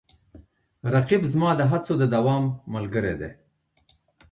رقیب زما د هڅو د دوام ملګری دی